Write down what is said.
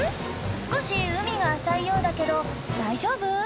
少し海が浅いようだけど大丈夫？